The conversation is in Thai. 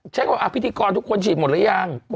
ว่าพิธีกรทุกคนฉีดหมดหรือยัง